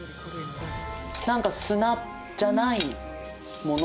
何か砂じゃないものが。